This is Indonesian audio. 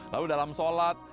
lalu dalam sholat